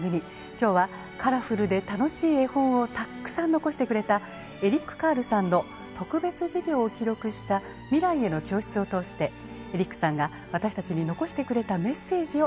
今日はカラフルで楽しい絵本をたくさん残してくれたエリック・カールさんの特別授業を記録した「未来への教室」を通してエリックさんが私たちに残してくれたメッセージを見てまいります。